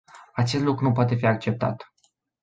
Acest lucru nu poate fi acceptat.